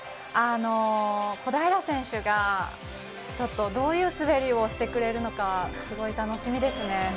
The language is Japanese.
小平選手がどういう滑りをしてくれるのかすごい楽しみですね。